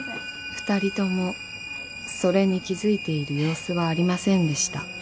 ［２人ともそれに気付いている様子はありませんでした］